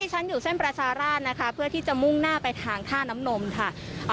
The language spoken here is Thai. ฉันอยู่เส้นประชาราชนะคะเพื่อที่จะมุ่งหน้าไปทางท่าน้ำนมค่ะ